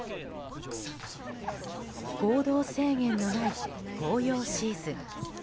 行動制限のない紅葉シーズン。